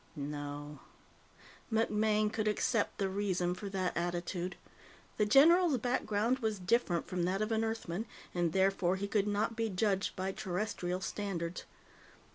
No. MacMaine could accept the reason for that attitude; the general's background was different from that of an Earthman, and therefore he could not be judged by Terrestrial standards.